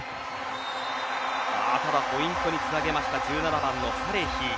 ただ、ポイントにつなげました１７番のサレヒ。